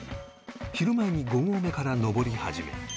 昼前に５合目から登り始め